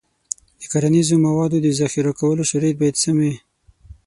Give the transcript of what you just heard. د کرنیزو موادو د ذخیره کولو شرایط باید سم وي.